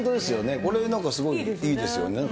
これなんかすごいいいですよね。